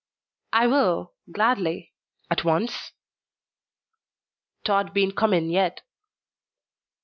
"I will, gladly. At once?" "Tod bean't come in yet."